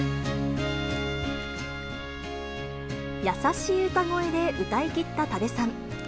優しい歌声で歌いきった多部さん。